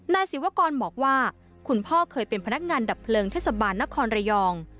ศิวากรบอกว่าคุณพ่อเคยเป็นพนักงานดับเพลิงเทศบาลนครระยอง